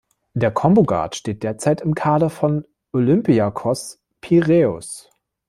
Der Combo Guard steht derzeit im Kader von Olympiakos Piräus.